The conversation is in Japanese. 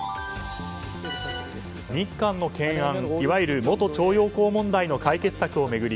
日韓の懸案いわゆる元徴用工問題の解決策を巡り